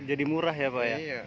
jadi murah ya pak ya